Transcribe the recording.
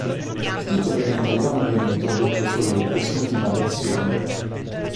Il titolo in italiano venne introdotto solo in quest'ultima versione.